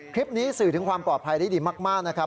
คลิปนี้สื่อถึงความปลอดภัยได้ดีมากนะครับ